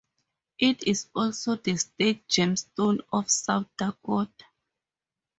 It is also the state gemstone of South Dakota.